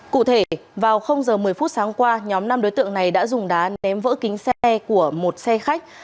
cụ thể vào giờ một mươi phút sáng qua nhóm năm đối tượng này đã dùng đá ném vỡ kính xe của một xe khách